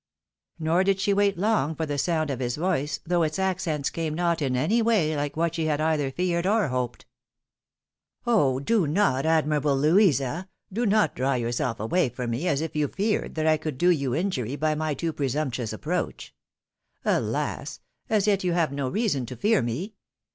Nor did she wait long for the sound of his voice, though its accents came not, in any way, like what she had either feared, or hoped. " Oh! do not, admirable Louisa ! do not draw yourself away from me, as if you feared that I could do you injury by my too presumptuous approach ! Alas ! as yet you have no reason to fear me.